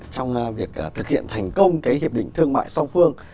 trong việc thực hiện thành công cái hiệp định thương mại song phương